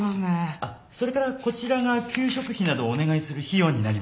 あっそれからこちらが給食費などお願いする費用になります。